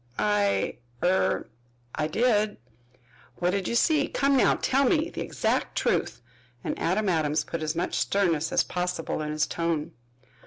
"I er I did." "What did you see? Come now, tell me the exact truth," and Adam Adams put as much of sternness as possible in his tone.